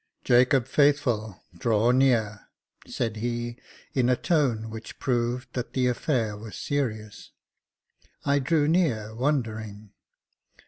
Jacob Faithful, draw near," said he, in a tone which proved that the affair was serious. I drew near, wondering.